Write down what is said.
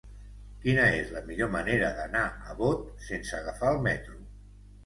Quina és la millor manera d'anar a Bot sense agafar el metro?